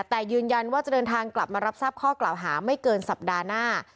แต่ยืนยันว่าจะเดินทางกลับมารับทราบข้อกล่าวหาไม่เกินสัปดาห์หน้า